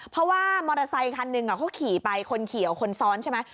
เพราะว่ามอเตอร์ไซคันหนึ่งเขาขี่ไปคนขี่คนซ้อนใช่ไหม